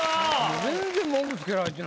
全然文句つけられてないやん。